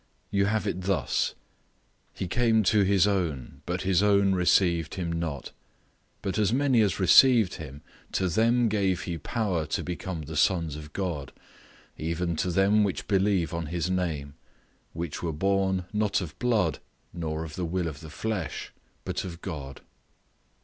You have it thus,—"He came to his own, but his own received him not; but as many as received him, to them gave he power to become the sons of God, even to them which believe on his name; which were born, not of blood, nor of the will of the flesh, but of God."